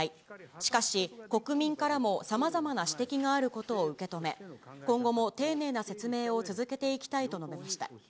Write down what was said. しかし、国民からもさまざまな指摘があることを受け止め、今後も丁寧な説明を続けていきたいと述べました。